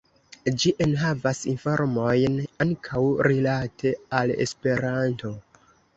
Ĝi enhavas informojn ankaŭ rilate al Esperanto.